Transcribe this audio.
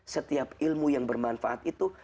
setiap ilmu yang bermanfaat itu